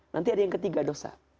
nanti ada yang ketiga dosa